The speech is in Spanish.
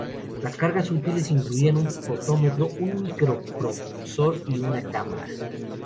Las cargas útiles incluían un fotómetro, un micro-propulsor y una cámara.